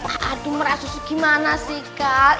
aduh merah susu gimana sih kak